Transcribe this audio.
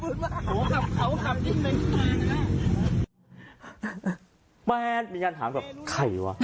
โอ้โหขับเขาขับจริงเลยแปลกมีงานถามแบบใครวะ